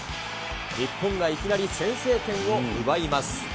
日本がいきなり先制点を奪います。